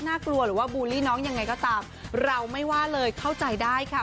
กลัวหรือว่าบูลลี่น้องยังไงก็ตามเราไม่ว่าเลยเข้าใจได้ค่ะ